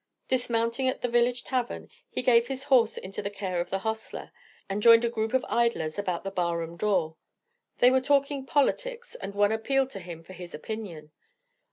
Dismounting at the village tavern, he gave his horse into the care of the hostler, and joined a group of idlers about the bar room door. They were talking politics and one appealed to him for his opinion.